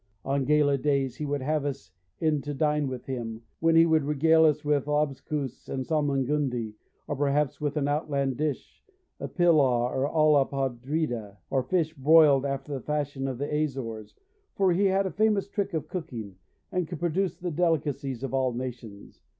On gala days he would have us in to dine with him, when he would regale us with lobscouse and salmagundi, or perhaps with an outland dish, a pillaw or olla podrida, or fish broiled after the fashion of the Azores, for he had a famous trick of cooking, and could produce the delicacies of all nations.